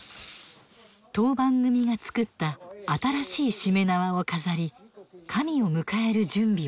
当番組が作った新しいしめ縄を飾り神を迎える準備をする。